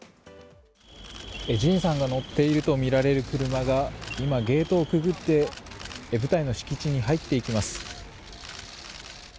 ＪＩＮさんが乗っているとみられる車が今、ゲートをくぐって部隊の敷地に入っていきます。